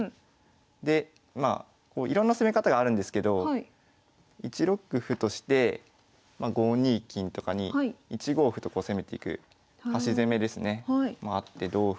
でまあいろんな攻め方があるんですけど１六歩として５二金とかに１五歩とこう攻めていく端攻めですねもあって同歩。